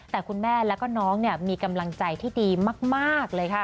แต่คุณแม่แล้วก็น้องมีกำลังใจที่ดีมากเลยค่ะ